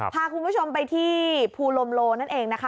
พาคุณผู้ชมไปที่ภูลมโลนั่นเองนะคะ